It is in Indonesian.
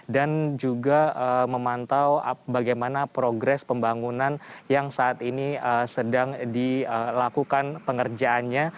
dan juga memantau bagaimana progres pembangunan yang saat ini sedang dilakukan pengerjaannya